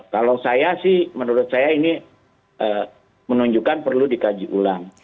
kalau saya sih menurut saya ini menunjukkan perlu dikaji ulang